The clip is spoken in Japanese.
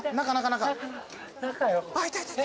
中よ。